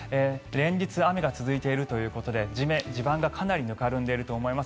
連日、雨が続いているということで地盤がかなりぬかるんでいると思います。